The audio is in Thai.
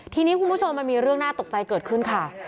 ทีนี้คุณผู้ชมมันมีเรื่องน่าตกใจเกิดขึ้นค่ะ